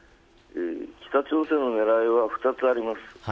北朝鮮の狙いは２つあります。